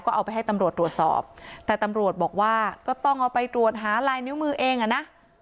ก็เอาไปให้ตำรวจตรวจสอบแต่ตำรวจบอกว่าก็ต้องเอาไปตรวจหาลายนิ้วมือเองอ่ะนะ